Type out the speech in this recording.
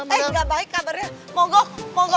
eh gak baik kabarnya mogok mogok